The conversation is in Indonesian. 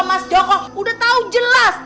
mas jokong udah tau jelas